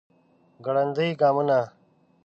ګړندي ګامونه